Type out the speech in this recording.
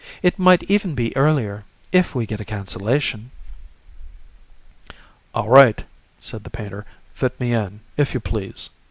"It might even be earlier, if we get a cancellation." "All right," said the painter, "fit me in, if you please."